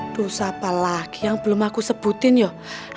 dosa apa lagi yang belum aku sebutin yoh